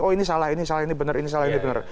oh ini salah ini salah ini benar ini salah ini benar